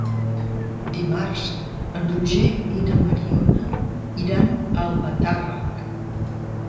Dimarts en Roger i na Mariona iran a Albatàrrec.